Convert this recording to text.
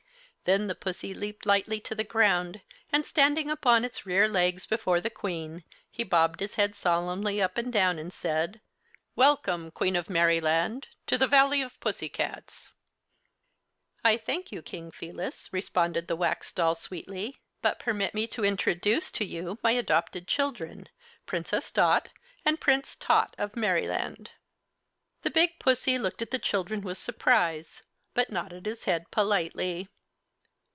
Then the pussy leaped lightly to the ground, and standing upon its rear legs before the Queen, he bobbed his head solemnly up and down and said, "Welcome, Queen of Merryland, to the Valley of Pussycats!" "I thank you, King Felis," responded the Wax Doll sweetly. "But permit me to introduce to you my adopted children, Princess Dot and Prince Tot of Merryland." The big pussy looked at the children with surprise, but nodded his head politely.